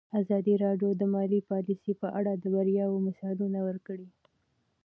ازادي راډیو د مالي پالیسي په اړه د بریاوو مثالونه ورکړي.